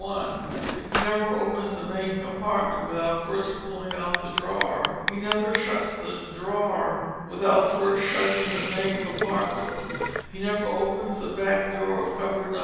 1—he never opens the main compartment without first pulling out the drawer—he never shuts the drawer without first shutting the main compartment—he never opens the back door of cupboard No.